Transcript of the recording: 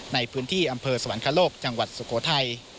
ในพื้นที่อำเภอสวรรคโลกจังหวัดสุโขทัย